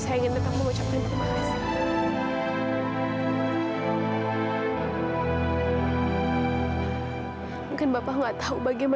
saya tidak tahu harus berbuat apa apa